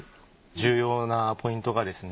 重要なポイントがですね